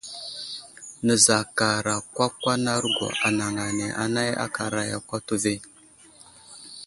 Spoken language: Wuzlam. Nəzakarakwakwanarogwa anaŋ ane anay aka aray yakw atu ve.